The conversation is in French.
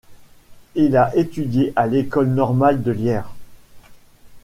Il a étudié à l'école normale de Lierre.